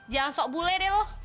jangan sok bule deh loh